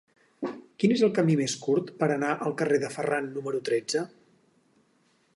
Quin és el camí més curt per anar al carrer de Ferran número tretze?